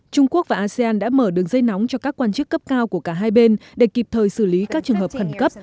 trung quốc và asean đã mở đường dây nóng cho các quan chức cấp cao của cả hai bên để kịp thời xử lý các trường hợp khẩn cấp